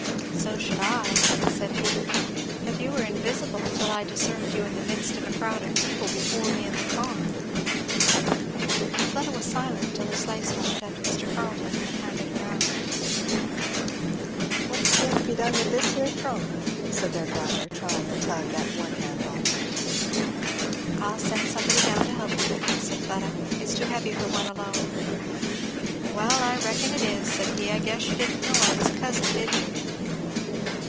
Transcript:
"So should I," said he, "but you were invisible, till I discerned you in the midst of a crowd of people before me in the car." Fleda was silent till the sleigh stopped and Mr. Carleton had handed her out. "What's going to be done "I will send somebody down to help you with it," said Fleda. "It is too heavy for one alone." "Well I reckon it is," said he. "I guess you didn't know I was a cousin, did you?"